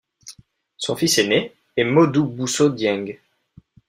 Son fils aîné est Modou Bousso Dieng.